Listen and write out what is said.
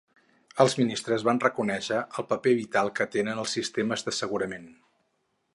Els ministres van reconèixer el paper vital que tenen els sistemes d'assegurament